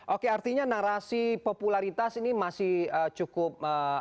oke artinya narasi popularitas ini masih cukup